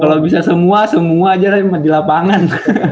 kalo bisa semua semua aja lah yang di lapangan